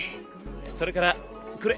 それからこれ。